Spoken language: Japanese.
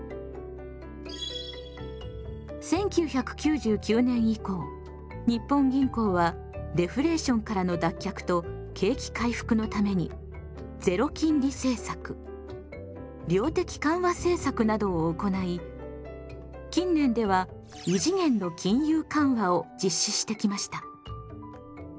１９９９年以降日本銀行はデフレーションからの脱却と景気回復のために「ゼロ金利政策」「量的緩和政策」などを行い近年では「異次元の金融緩和」を実施してきました。